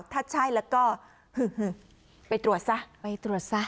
ถ้าใช่แล้วก็ไปตรวจซะไปตรวจซะ